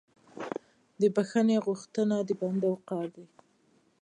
د بخښنې غوښتنه د بنده وقار دی.